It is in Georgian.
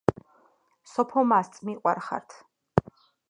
სოფო მასწ მიყვარხართ